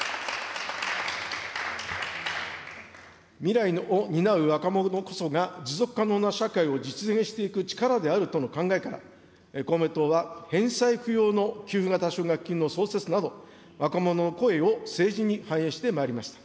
未来を担う若者こそが、持続可能な社会を実現していく力であるとの考えから、公明党は返済不要の給付型奨学金の創設など、若者の声を政治に反映してまいりました。